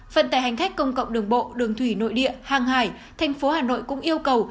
vận tải hành khách công cộng đường bộ đường thủy nội địa hàng hải thành phố hà nội cũng yêu cầu